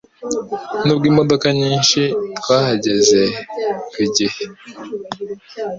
Nubwo imodoka nyinshi, twahageze ku gihe.